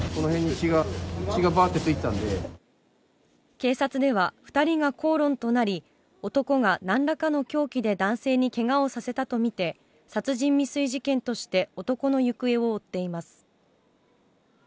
警察では二人が口論となり男がなんらかの凶器で男性に怪我をさせたとみて殺人未遂事件として男の行方を追っています